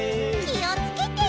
きをつけて。